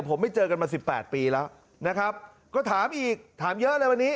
ผมไม่เจอกันมา๑๘ปีแล้วก็ถามอีกถามเยอะเลยวันนี้